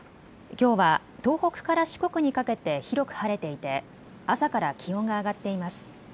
きょうは東北から四国にかけて広く晴れていて朝から気温が上がっています。